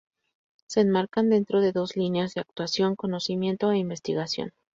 Se enmarcan dentro de dos líneas de actuación: conocimiento e investigación.